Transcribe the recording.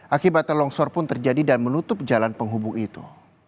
akibatnya longsor pun terjadi dan menutup jalan penghubung itu